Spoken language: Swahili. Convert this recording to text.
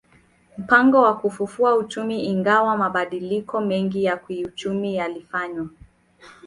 Mpango wa kuufufua uchumi Ingawa mabadiliko mengi ya kiuchumi yalifanywa